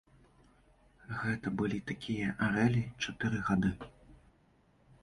Гэта былі такія арэлі чатыры гады.